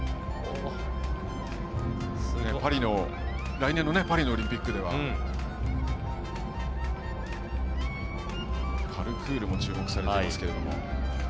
来年のパリオリンピックではパルクールも注目されていますが。